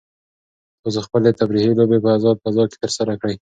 تاسو خپلې تفریحي لوبې په ازاده فضا کې ترسره کړئ.